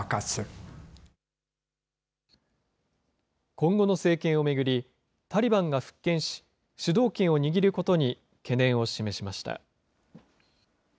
今後の政権を巡り、タリバンが復権し、主導権を握ることに懸念を示しました。